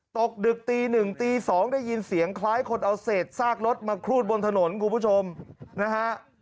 ตกดึกตีหนึ่งตี๒ได้ยินเสียงคล้ายคนเอาเศษซากรถมาครูดบนถนนคุณผู้ชมนะฮะ